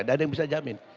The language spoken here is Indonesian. tidak ada yang bisa jamin